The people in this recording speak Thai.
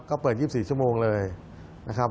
ก็เปิด๒๔ชั่วโมงเลยนะครับ